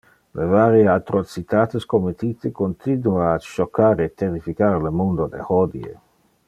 Le varie atrocitates committite continua a choccar e terrificar le mundo de hodie.